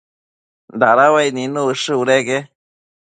dada uaic nid ushë budeque